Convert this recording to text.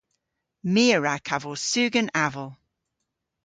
My a wra kavos sugen aval.